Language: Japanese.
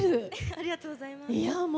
ありがとうございます。